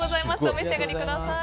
お召し上がりください。